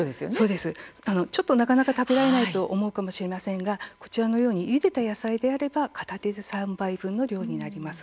なかなか食べられないかもしれませんがこちらのようにゆでた野菜であれば片手で３杯分の量になります。